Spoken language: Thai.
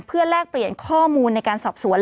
เพื่อแลกเปลี่ยนข้อมูลในการสอบสวน